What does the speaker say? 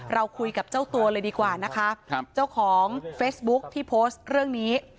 เราคุยกับเจ้าตัวเลยดีกว่านะคะเจ้าของเฟซบุ๊คที่โพสต์เรื่องนี้